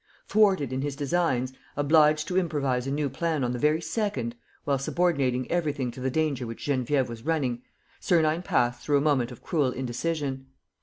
Thwarted in his designs, obliged to improvise a new plan on the very second, while subordinating everything to the danger which Geneviève was running, Sernine passed through a moment of cruel indecision.